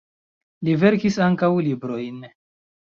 Li verkis ankaŭ librojn.